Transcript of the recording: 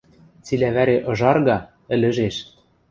Цилӓ вӓре ыжарга, ӹлӹжеш.